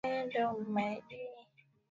Wakili amewasili asubuhi.